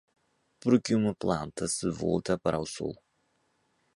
Por que uma planta se volta para o sol?